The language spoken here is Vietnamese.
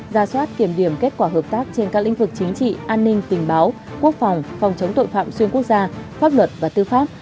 ra soát kiểm điểm kết quả hợp tác trên các lĩnh vực chính trị an ninh tình báo quốc phòng phòng chống tội phạm xuyên quốc gia pháp luật và tư pháp